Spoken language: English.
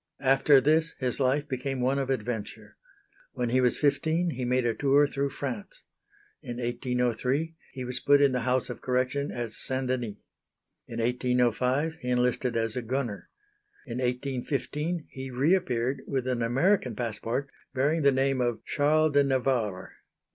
After this his life became one of adventure. When he was fifteen he made a tour through France. In 1803 he was put in the House of Correction at St. Denis. In 1805 he enlisted as a gunner. In 1815 he re appeared with an American passport bearing the name of Charles de Navarre.